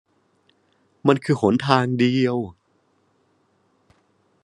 มันคือหนทางเดียว